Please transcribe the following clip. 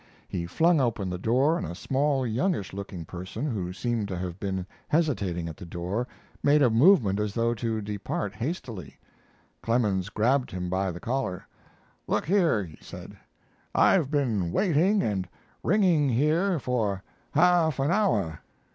He flung open the door, and a small, youngish looking person, who seemed to have been hesitating at the door, made a movement as though to depart hastily. Clemens grabbed him by the collar. "Look here," he said, "I've been waiting and ringing here for half an hour.